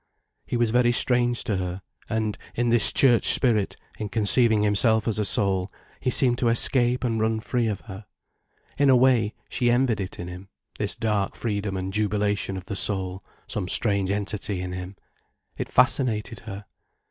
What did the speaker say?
He was very strange to her, and, in this church spirit, in conceiving himself as a soul, he seemed to escape and run free of her. In a way, she envied it him, this dark freedom and jubilation of the soul, some strange entity in him. It fascinated her.